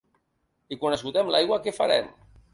I quan esgotem l’aigua, què farem?